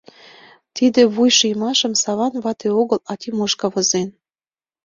Тиде вуйшиймашым Саван вате огыл, а Тимошка возен.